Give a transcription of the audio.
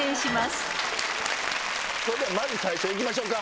それではまず最初行きましょうか。